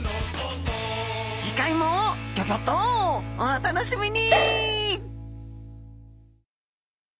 次回もギョギョッとお楽しみに！